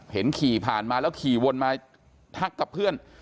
เห็นขี่ผ่านมาแล้วขี่วนมาทักกับเพื่อน